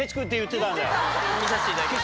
見させていただきました。